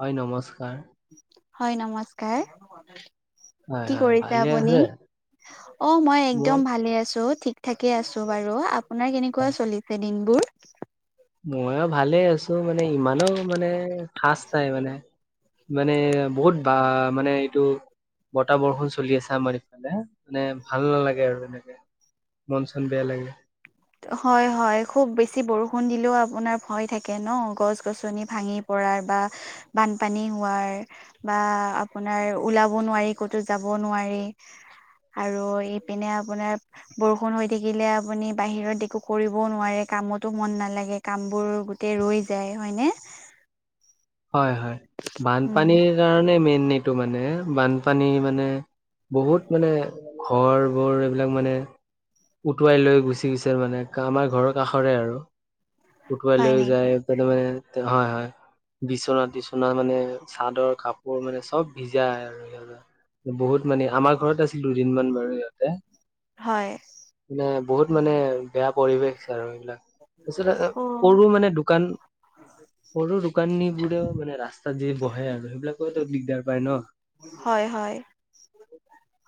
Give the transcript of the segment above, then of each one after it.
হয় নমস্কাৰ হয়, নমস্কাৰ। হয় কি হয় কৰিছে ভালে আপুনি? আছে অ', মই একদম ভালে আছো ঠিক থাকে আছো বাৰু আপোনাৰ কেনেকুৱা চলিছে দিনবোৰ? ময়ো ভালে আছো মানে ইমানো মানে খাচ নাই মানে। মানে বহুত বা মানে এইটো বতাহ বৰষুণ চলি আছে আমাৰ ইফালে, মানে ভাল নালাগে আৰু এনেকে। মন-চন বেয়া লাগে। হয় হয় খুব বেছি বৰষুণ দিলেও আপোনাৰ ভয় থাকে ন গছ গছনি ভাঙি কৰাৰ বা বানপানী হোৱাৰ বা আপোনাৰ ওলাব নোৱাৰি ক'তো যাব নোৱাৰি। আৰু ইপিনে আপোনাৰ বৰষুণ হৈ থাকিলে আপুনি বাহিৰত একো কৰিবও নোৱাৰে কামতো মন নালাগে কামবোৰ গোটেই ৰৈ যায় হয়নে? হয় হয় উম বানপানীৰ কাৰণে মেইন এইটো মানে বানপানী মানে বহুত মানে ঘৰবোৰ এইবিলাক মানে উটুৱাই লৈ গুচি গৈছিল মানে আমাৰ ঘৰৰ কাষৰে আৰু। উটুৱাই হয় লৈ নেকি যায় তাতে মানে হয় হয়। বিচনা টিচনা মানে চাদৰ কাপোৰ মানে চব ভিজাই আৰু সিহতৰ। বহুত মানে আমাৰ ঘৰত আছিল দুদিনমান বাৰু সিহঁতে। হয়। মানে বহুত মানে বেয়া পৰিৱেশ আৰু এইবিলাক। তাৰপিছত অ সৰু মানে দোকান সৰু দোকানী বোৰেও মানে ৰাস্তা তাত যি বহে আৰু সেইবিলাকো দিগদাৰ পায় ন। হয় হয়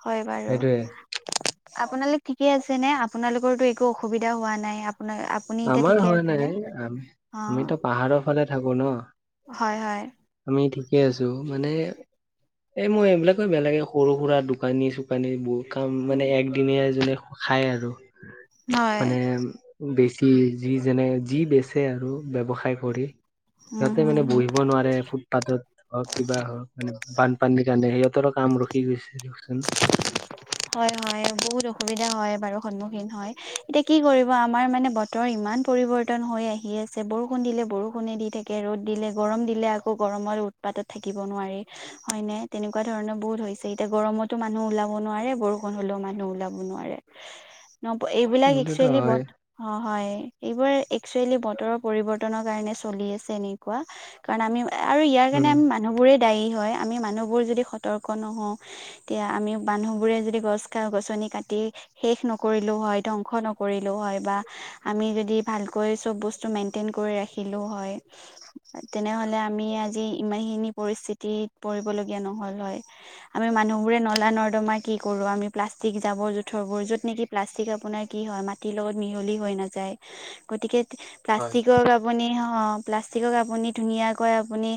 হয় বাৰু। সেইটোয়ে। আপোনালোক ঠিকে আছে নে আপোনালোকৰোটো একো অসুবিধা হোৱা নাই আপোনাৰ আ আমাৰ হোৱা নাই আম আমিতো পাহাৰৰ ফালে থাকো ন। হয় হয়। আমি ঠিকে আছো মানে এই মই এইবিলাকে বেয়া লাগে সৰু সুৰা দোকানী চোকানী বহুত কাম মানে একদিনিয়া যোনে খায় আৰু। হয় মানে বেছি যি যেনে যি বেচে আৰু ব্যৱসায় কৰি, উম সিহতে হুম মানে হুম বহিব নোৱাৰে ফুটপাথত। হওক কিবা হওক মানে বানপানীৰ কাৰনে সিহঁতৰ কাম ৰখি গৈছে দিয়কচোন। [inaudible] হয় হয় বহুত অসুবিধা হয় বাৰু সন্মুখীন হয় এতিয়া কি কৰিব আমাৰ মানে ব বতৰ ইমান পৰিৱৰ্তন হৈ আহি আছে বৰষুণ দিলে বৰষুণে দি থাকে ৰ'দ দিলে গৰম দিলে আকৌ গৰমত উ পাতত থাকিব নোৱাৰি হয় নে তেনেকুৱা ধৰণৰ বহুত হৈছে এতিয়া গৰমত টো মানুহ ওলাব নোৱাৰে বৰষুণ হ'লেও মানুহ ওলাব নোৱাৰে। ন এইবিলাক সেইটোতো একচুৱেলি হয় বত অ হয় এইবোৰ একচুৱেলি বতৰৰ পৰিৱৰ্তনৰ কাৰণে চলি আছে এনেকুৱা। কাৰণ আমি আৰু ইয়াৰ কাৰণে উম আমি মানুহবোৰে দায়ী হয় আমি মানুহবোৰ যদি সতৰ্ক নহওঁ তেতিয়া আমি মানুহবোৰে যদি গছ খা গছনি কাটি শেষ নকৰিলো হয় ধ্বংস নকৰিলো হয় বা আমি যদি ভালকৈ চব বস্তু মেনটেন কৰি ৰাখিলো হয় তেনেহলে আমি আজি ইমানখিনি পৰিস্থিতিত পৰিবলগীয়া নহল হয়। আমি মানুহ বোৰে নলা নৰ্দমা কি কৰোঁ আমি প্লাষ্টিক জাবৰ জোথৰবোৰ য'ত নেকি প্লাষ্টিক আপোনাৰ কি হয় মা মাটিৰ লগত মিহলে হৈ নাযায় গতিকে হয় প্লাষ্টিকৰ [unintelligible] আপুনি প্লাষ্টিকক আপুনি ধুনীয়াকৈ আপুনি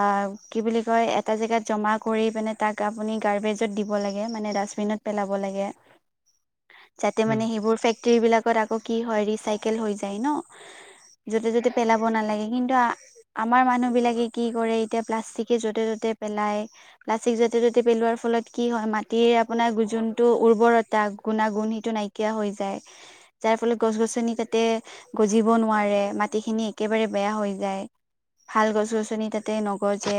অ কি বুলি কয় এটা জেগাত জমা কৰি পিনে তাক আপুনি গাৰ্বেজত দিব লাগে মানে ডাষ্টবিনত পেলাব লাগে। যাতে উম মানে সেইবোৰ ফেক্টৰী বিলাকত আকৌ কি হয় ৰিচাইকেল হৈ যায় ন। য'তে ততে পেলাব নালাগে কিন্তু আমাৰ মানুহ বিলাকে কি কৰে এতিয়া প্লাষ্টিকে য'তে ত'তে পেলাই প্লাষ্টিক য'তে ত'তে পেলোৱাৰ ফলত কি হয় মাটিৰ আপোনাৰ যোনটো উৰ্বৰতা গুণাগুণ সিটো নাইকিয়া হৈ যায় যাৰ ফলত গছ গছনি তাতে গজিব নোৱাৰে মাটিখিনি একেবাৰে বেয়া হৈ যায় ভাল গছ গছনি তাতে নগজে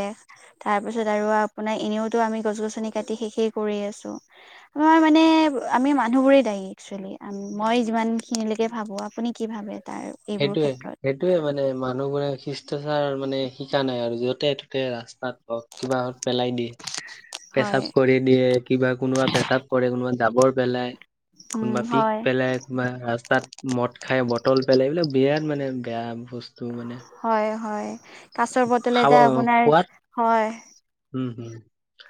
তাৰ পিছত আৰু আপোনাৰ এনেওতো আমি গছ গছনি কাটি শেষে কৰি আছো আমাৰ মানে আমি মানুহ বোৰে দায়ী একচুৱেলি আম মই যিমান খিনিলৈকে ভাবো আপুনি কি ভাবে তাৰ এইবোৰ সেইটোয়ে সেই ক্ষেত্ৰত সেইটোৱে মানে মানুহবোৰে শিষ্টাচাৰ মানে শিকা নাই আৰু যতে ততে ৰাস্তাত অ কিবাহত পেলাই দিয়ে হয় পেচাপ কৰি দিয়ে কিবা কোনোবা পেছাপ পৰে কোনোবা জাবৰ পেলাই উম, কোনোবা পিক হয়, পেলাই বা ৰাস্তাত মদ খাই বটল পেলাই এইবিলাক বিৰাট মানে বেয়া বস্তু মানে হয় হয় কাচৰ বটল খাব এটা আপোনাৰ খোৱাত হয় উম হুম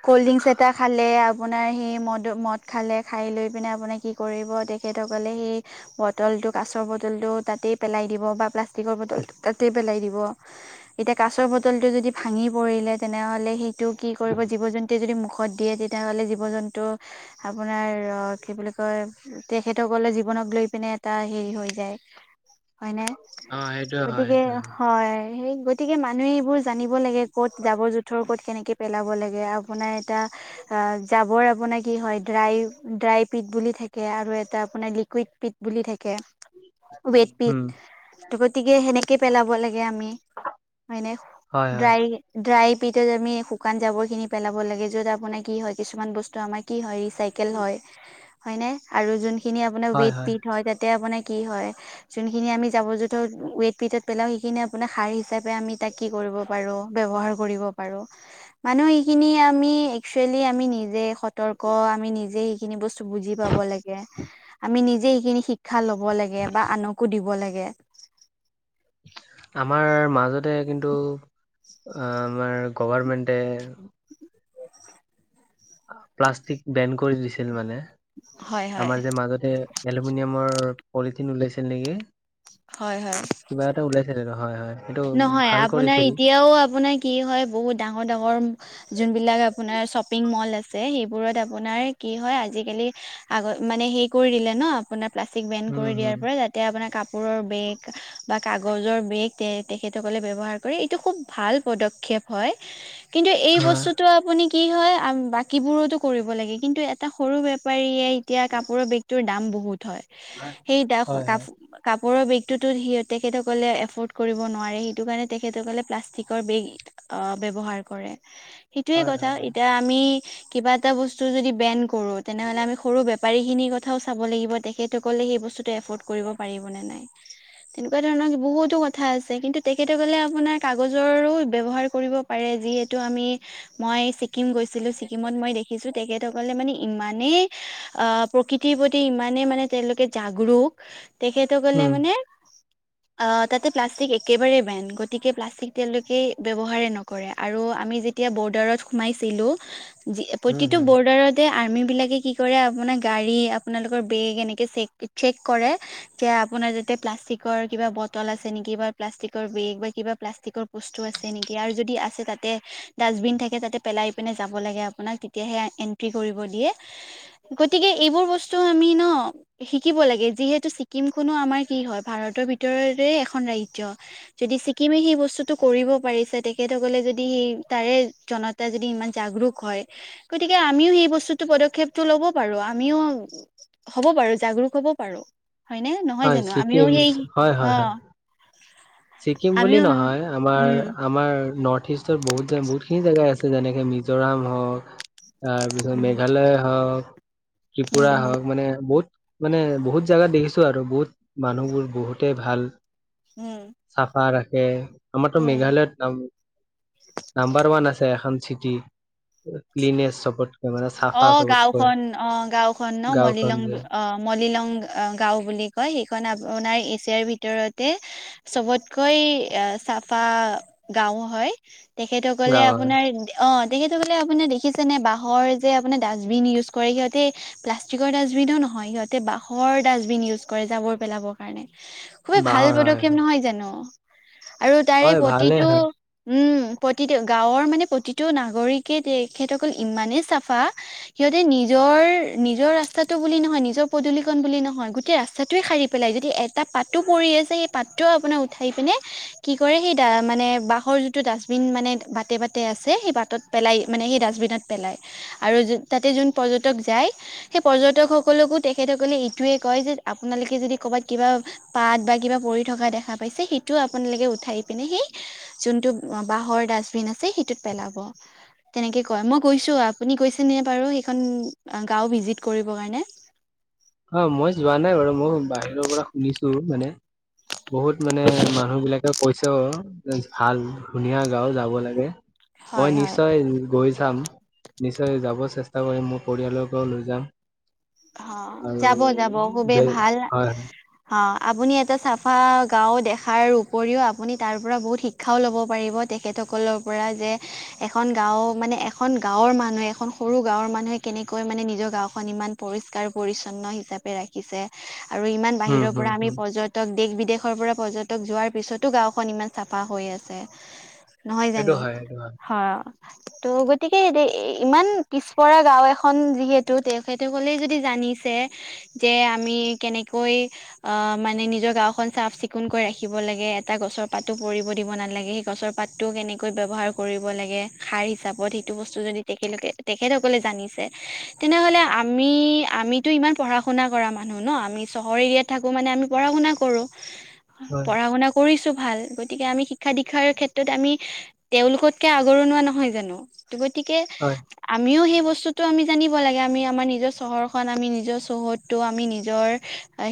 ক'ল্ড ড্ৰিংকচ এটা খালে আপোনাৰ সেই মদ মদ খালে খাই লৈ পিনে আপোনাৰ কি কৰিব তেখেতসকলে সেই বটলটো কাচৰ বটলটো তাতেই পেলাই দিব বা প্লাষ্টিকৰ বটলটো তাতেই পেলাই দিব এতিয়া কাছৰ বটলটো যদি ভাঙি পৰিলে তেনেহলে সেইটো কি কৰিব জীৱ জন্তুৱে যদি মুখত দিয়ে তেতিয়াহ'লে জীৱ জন্তু আপোনাৰ কি বুলি কয় তেখেতসকলে জীৱনক লৈ পিনে এটা হেৰি হৈ যায় হয় নে অ সেইটোৱে হয় গতিকে সেইটোৱে হয় সেই গতিকে মানুহ এইবোৰ জানিব লাগে ক'ত জাবৰ জোঁথৰ ক'ত কেনেকে পেলাব লাগে আপোনাৰ এটা আ, জাবৰ আপোনাৰ কি হয় ড্ৰাই ড্ৰাই পিট বুলি থাকে আৰু এটা আপোনাৰ লিকুইড পিট বুলি থাকে ৱেদ পিট উম ত, গতিকে সেনেকে পেলাব লাগে আমি হয় নে হয় হয় ড্ৰাই ড্ৰাই পিটত আমি শুকান জাবৰ খিনি পেলাব লাগে যত আপোনাৰ কি হয় কিছুমান বস্তু আমাৰ কি হয় ৰিচাইকেল হয় হয়নে আৰু যোনখিনি আপোনাৰ ৱেত পিত হয় তাতে আপোনাৰ কি হয় যোনখিনি আমি জাবৰ জোথৰ ৱেট পিটত পেলাওঁ সেইখিনি আপোনাৰ সাৰ হিচাপে আমি তাক কি কৰিব পাৰো ব্যৱহাৰ কৰিব পাৰো মানুহ খিনিয়ে আমি একচুৱেলি আমি নিজে সতৰ্ক আমি নিজে সেইখিনি বস্তু বুজি পাব লাগে আমি নিজে সেইখিনি শিক্ষা লব লাগে বা আনকো দিব লাগে আমাৰ মাজতে কিন্তু আমাৰ গভাৰমেণ্টে প্লাষ্টিক বেন কৰি দিছিল মানে হয় হয় আমাৰ যে মাজতে এলুমিনিয়ামৰ পলিথিন ওলাইছিল নেকি হয়, হয় কিবা এটা ওলাইছিলে হয় হয় সেইটো নহয় ভাল আপোনাৰ কৰিছিল। এতিয়াও আপোনাৰ কি হয় বহুত ডাঙৰ-ডাঙৰ যোনবিলাক আপোনাৰ শ্বপিং মল আছে সেইবোৰত আপোনাৰ কি হয় আজিকালি আগ মানে হেৰি কৰি দিলে ন আপোনাৰ প্লাষ্টিক বেন উম কৰি হম দিয়াৰ পৰা তাতে আপোনাৰ কাপোৰৰ বেগ বা কাগজৰ বেগ তে তেখেতসকলে ব্যৱহাৰ কৰে এইটো খুব ভাল পদক্ষেপ হয় কিন্তু এই হয় বস্তুটো আপুনি কি হয় বাকীবোৰতো কৰিব লাগে কিন্তু এটা সৰু বেপাৰীয়ে এতিয়া কাপোৰৰ বেগ টো দাম বহুত হয় সেই দা হয় কাপো হয় কাপোৰৰ বেগটোতো সিহঁতে তেখেতসকলে এফৰ্ড কৰিব ন নোৱাৰে সেইটোকাৰনে তেখেত সকলে প্লাষ্টিকৰ বেগ ব্যবহাৰ কৰে সেইটোয়ে হয় কথা হয় হয় এতিয়া আমি কিবা এটা বস্তু যদি বেন কৰো তেনেহলে আমি সৰু বে পাৰীখিনিৰ কথাও চাব লাগিব তেখেতসকলে সেই বস্তুটো এফৰ্ড কৰিব পাৰিব নে নাই। তেনেকুৱা ধৰণৰ বহুতো কথা আছে। আছে কিন্তু তেখেতসকলে আপোনাৰ কাগজৰো ব্যৱহাৰ কৰিব পাৰে যিহেতু আমি মই ছিকিম গৈছিলো ছিকিমত মই দেখিছো তেখেতসকলে মানে ইমানেই আহ প্ৰকৃতিৰ প্ৰতি ইমানে মানে তেওঁলোকে জাগলো তেখে ত সকলে উম। মানে আ তাতে প্লাষ্টিক একেবাৰে বেন গতিকে প্লাষ্টিক তেওঁলোকেই ব্যৱহাৰেই নকৰে আৰু আমি যেতিয়া বৰ্ডাৰত সোমাইছিলো যি উম প্ৰতিটো হম বৰ্ডাৰ তে আৰ্মি বিলাকে কি কৰে আপোনাৰ গাড়ী আপোনালোকৰ বেগ এনেকে চেক চেক কৰে এ আপোনাৰ যাতে প্লাষ্টিকৰ কিবা বটল আছে নেকি বা প্লাষ্টিকৰ বেগ বা কিবা প্লাষ্টিকৰ বস্তু আছে নেকি আৰু যদি আছে তাতে ডাষ্টবিন থাকে তাতে পেলাই পিনে যাব লাগে আপোনাক তেতিয়াহে এন্ট্ৰি কৰিব দিয়ে গতিকে এইবোৰ বস্তু আমি ন শিকিব লাগে যিহেতু ছিকিমখনো আমাৰ কি হয় ভাৰতৰ ভিতৰৰে এখন ৰাজ্য। যদি ছিকিমে সেই বস্তুটো কৰিব পাৰিছে তেখেতসকলে যদি সেই তাৰে জনতা যদি ইমান জাগৰো হয় গতিকে আমিও সেই বস্তু পদক্ষেপটো ল'ব পাৰো আমিও হ'ব পাৰো জাগৰো হব পাৰো হয় নে নহয় হয় জানো আমিও ছিকিম সেই অঁ ছিক্কিম বুলি নহয় আমাৰ উম আমাৰ নৰ্থ ইষ্টৰ বহুত বহুতখিনি জেগাই আছে যেনেকে মিজোৰাম হ'ওক তাৰপিছত উম মেঘালয় হওক উম ত্ৰিপুৰা উম হওক মানে বহুত মানে বহুত জেগাত দেখিছো আৰু বহুত মানুহবোৰ বহুতে ভাল উম চাফা ৰাখে আমাৰতো উম মেঘালয়ত নাম্বাৰ ওৱান আছে এখন চিটি ক্লিনে চবত অ গাঁওখন অ গাঁওখন ন গাঁওখন মলিলং যে অ মলিলং গাঁও বুলি কয় সেইখন আপোনাৰ এছিয়াৰ ভিতৰতে চবতকৈ এ চাফা গাঁও হয়। তেখেতসকলে গাঁও হয় আপোনাৰ অ তেখেতসকলে আপোনাৰ দেখিছে নে বাঁহৰ যে আপোনাৰ ডাষ্টবিন ইউজ কৰে সিহঁতে প্লাষ্টিকৰ ডাষ্টবিনো নহয় সিহঁতে বাঁহৰ ডাষ্টবিন ইউজ কৰে জাবৰ পেলাবৰ কাৰণে। খুবেই ভাল বাঁহৰ হয় পদক্ষেপ নহয় জানো আৰু তাৰে হয় ভালে প্ৰতিটো হয় উম প্ৰতিটো গাঁৱৰ মানে প্ৰতিটো নাগৰিকে তেখেতসকল ইমানেই চাফা সিহঁতে নিজৰ নিজৰ ৰাস্তাটো বুলি নহয় নিজৰ পদূলিকণ বুলি নহয় গোটেই ৰাস্তাতয়ে সাৰি পেলাই যদি এ টা পাতো পৰি আছে সেই পাতটো আপোনাৰ উঠাই পিনে কি কৰে সেই মানে বাহঁৰ যিটো ডাষ্টবিন মানে বাটে বাটে আছে সেই বাটত পেলাই মানে সেই ডাষ্টবিনত পেলাই আৰু তাতে যোন পৰ্যটক যায় সেই পৰ্যটক সকলকো তেখেতসকলে এইটোয়ে কয় যে আপোনালোকে যদি কৰ'বাত কিবা পাত বা কিবা পৰি থকা দেখা পাইছে সেইটোও আপোনালোকে উঠাই পিনে সেই যোনটো বাঁহৰ ডাষ্টবিন আছে সেইটোত পেলাব তেনেকে কয় মই গৈছো আপুনি গৈছেনে বাৰু সেইখন গাঁও ভিজিট কৰিবৰ কাৰণে? অ মই যোৱা নাই বাৰু মই বাহিৰৰ পৰা শুনিছো মানে। বহুত মানে মানুহ বিলাকে কৈছে অ'। ভাল ধুনীয়া গাওঁ যাব লাগে, হয় মই হয় নিশ্চয় গৈ চাম। নিশ্চয় যাব চেষ্টা কৰিম মোৰ পৰিয়ালোকো লৈ যাম। অ', আৰু যাব যাব খুবেই হয় ভাল। হয় অ', আপুনি এটা চাফা গাওঁ দেখাৰ উপৰিও আপুনি তাৰ পৰা বহুত শিক শিক্ষাও ল'ব পাৰিব তেখেতসকলৰ পৰা যে এখন গাঁও মানে, এখন গাঁওৰ মানুহে এখন সৰু গাঁওৰ মানুহে কেনেকৈ মানে নিজৰ গাওঁখন ইমান পৰিষ্কাৰ পৰিচ্ছন্ন হিচাপে ৰাখিছে আৰু ইমান উম বাহিৰৰ হম পৰা আমি হম পৰ্যটন দেশ বিদেশৰ পৰা পৰ্যটক যোৱাৰ পিছতো গাঁওখন ইমান চাফা হৈ আছে। নহয় সেইটো জানো, হয় সেইটো হয় হা। ত' গতিকে ইমান পিছপৰা গাওঁ এখন যিহেতু তেখেত [unintelligible] যদি জানিছে যে আমি কেনেকৈ অ, মানে নিজৰ গাওখন চাফ চিকুণকৈ ৰাখিব লাগে, এটা গছৰ পাতো পৰিব দিব নালাগে, সেই গছৰ পাত টো কেনেকৈ ব্যৱহাৰ কৰিব লাগে সাৰ হিচাপত, সেইটো বস্তু যদি তেখেতসকল তেখেতসকলে জানিছে তেনেহলে আমি আমিতো ইমান পঢ়া শুনা কৰা মানুহ ন, আমি চহৰ এৰিয়াত থাকো মানে আমি পঢ়া শুনা কৰো। হয় পঢ়া শুনা কৰিছো ভাল, গতিকে আমি শিক্ষা দীক্ষাৰ ক্ষেত্ৰত আমি তেওঁলোকতকে আগৰনুৱা নহয় জানো, ত গতিকে হয়। আমিও সেই বস্তুতো আমি জানিব লাগে, আমি আমাৰ নি নিজৰ চহৰ খন, আমি নিজৰ চৌহদতটো আমি নিজৰ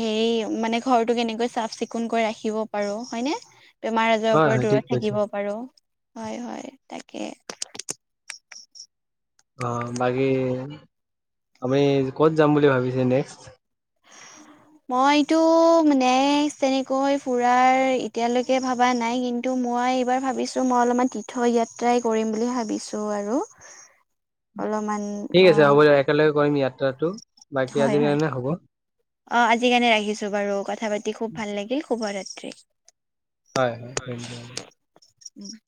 হেৰি মানে ঘৰতটো কেনেকৈ চাফ চিকু কোনকৈ ৰাখিব পাৰোঁ হয়নে? বেমাৰ আজাৰৰ হয় পৰা হয় ঠিক দূৰত কৈছে থাকিব পাৰো। হয়, হয়, তাকে! অ, বাকী, আপুনি ক'ত যাম বুলি ভাবিছে নেক্সত? [inaudible] মইতো নেক্স তেনেকৈ ফুৰাৰ এতিয়ালৈকে ভবা নাই কিন [unintelligible] মই এইবাৰ ভাবিছো মই অলপমান তীৰ্থযাত্ৰাই কৰিম বুলি ভাবিছো আৰু! অলপমান ঠিক আছে অ হ'ব দিয়ক, একেলগে কৰিম যাত্ৰাটো বাকী হয় আজিৰ হয় কাৰণে হ'ব। অ, আজি কাৰণে ৰাখিছো বাৰু, কথা পাতি খুব ভাল লাগিল, শুভৰাত্ৰি। হয়, হয়। [unintelligible] [inaudible]